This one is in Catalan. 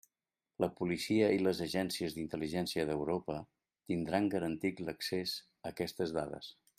La policia i les agències d'intel·ligència d'Europa tindran garantit l'accés a aquestes dades.